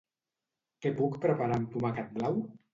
Què puc preparar amb tomàquet blau?